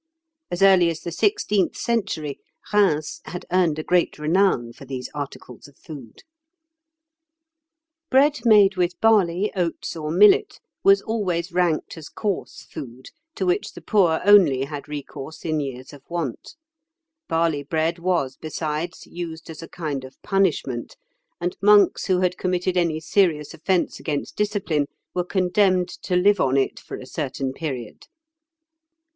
As early as the sixteenth century, Rheims had earned a great renown for these articles of food. Bread made with barley, oats, or millet was always ranked as coarse food, to which the poor only had recourse in years of want (Fig. 78). Barley bread was, besides, used as a kind of punishment, and monks who had committed any serious offence against discipline were condemned to live on it for a certain period.